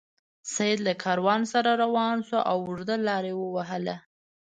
سید له کاروان سره روان شو او اوږده لار یې ووهله.